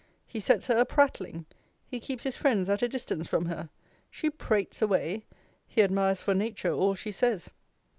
He sets her a prattling. He keeps his friends at a distance from her. She prates away. He admires for nature all she says.